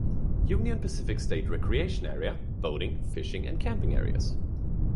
Union Pacific State Recreation Area - Boating, fishing and camping areas.